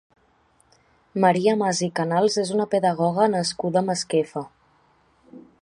Maria Mas i Canals és una pedagoga nascuda a Masquefa.